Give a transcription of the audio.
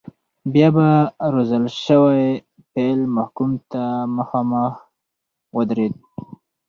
بیا به روزل شوی پیل محکوم ته مخامخ ودرېد.